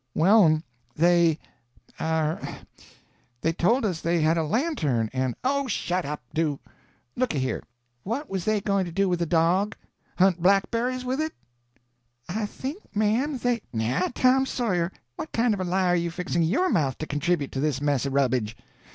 "Well, m'm, they—er—they told us they had a lantern, and—" "Oh, shet up—do! Looky here; what was they going to do with a dog?—hunt blackberries with it?" "I think, m'm, they—" "Now, Tom Sawyer, what kind of a lie are you fixing your mouth to contribit to this mess of rubbage?